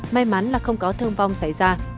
may mắn là không có thương vong xảy ra